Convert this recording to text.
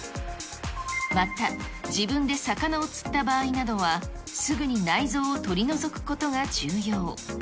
また、自分で魚を釣った場合などは、すぐに内臓を取り除くことが重要。